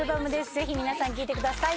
ぜひ皆さん聴いてください